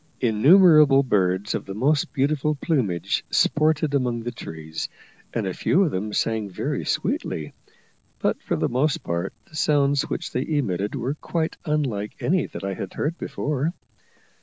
Innumerable birds of the most beautiful plumage sported among the trees, and a few of them sang very sweetly, but for the most part the sounds which they emitted were quite unlike any that I had heard before.